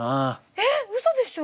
えっうそでしょ？